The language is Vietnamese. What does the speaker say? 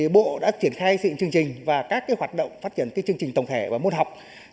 bộ đã triển khai xây dựng chương trình và các hoạt động phát triển chương trình tổng thể và môn học